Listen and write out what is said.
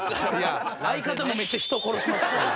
相方もめっちゃ人殺しますし。